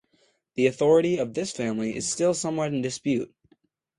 The authority of this family is still somewhat in dispute.